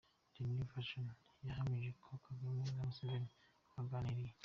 The new Vision yahamije ko Kagame na Museveni baganiriye.